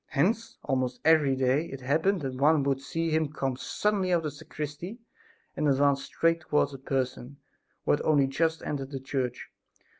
Hence almost every day it happened that one would see him come suddenly out of the sacristy and advance straight towards a person who had only just entered the church.